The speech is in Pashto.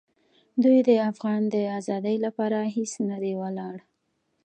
دوی د افغان د آزادۍ لپاره هېڅ نه دي ولاړ.